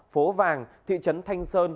phố vàng thị trấn thanh sơn